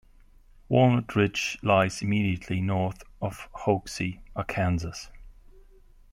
Walnut Ridge lies immediately north of Hoxie, Arkansas.